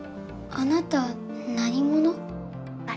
あなた何者？